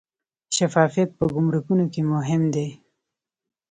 شفافیت په ګمرکونو کې مهم دی